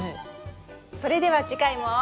それでは次回も。